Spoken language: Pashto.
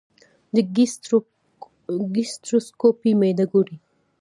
د ګیسټروسکوپي معده ګوري.